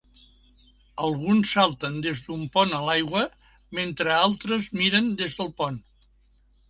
Alguns salten des d'un pont a l'aigua mentre altres miren des del pont.